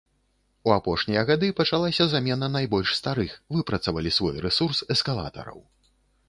У апошнія гады пачалася замена найбольш старых, выпрацавалі свой рэсурс, эскалатараў.